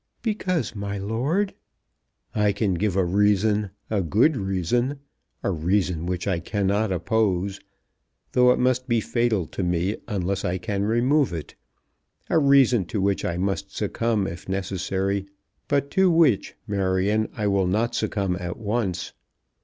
"Because, my lord " "I can give a reason, a good reason, a reason which I cannot oppose, though it must be fatal to me unless I can remove it; a reason to which I must succumb if necessary, but to which, Marion, I will not succumb at once.